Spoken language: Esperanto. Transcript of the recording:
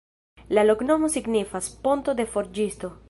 La loknomo signifas: ponto de forĝisto.